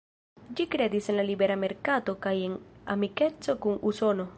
Ĝi kredis en la libera merkato kaj en amikeco kun Usono.